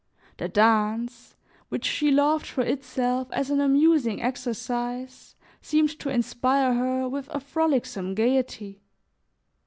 The dance, which she loved for itself as an amusing exercise, seemed to inspire her with a frolicsome gaiety.